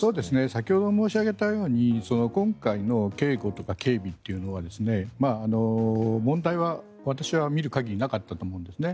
先ほど申し上げたように今回の警護とか警備というのは問題は、私は見る限りなかったと思うんですね。